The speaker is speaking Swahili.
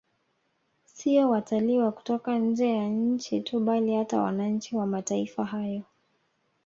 Siyo watalii wa kutoka nje ya nchi tu bali hata wananchi wa mataifa hayo